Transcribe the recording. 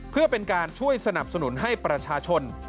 เพื่อเป็นการช่วยสนับสนุนให้ประชาชน